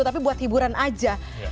tapi buat hiburan aja